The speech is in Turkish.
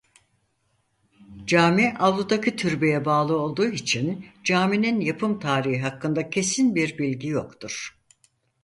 Cami avludaki türbeye bağlı olduğu için caminin yapım tarihi hakkında kesin bir bilgi yoktur.